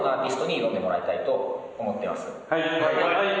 ・はい！